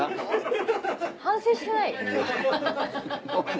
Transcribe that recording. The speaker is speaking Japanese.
反省してない？